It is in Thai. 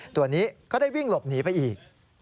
ตัวนี้ก็ได้วิ่งหลบหนีไปอีก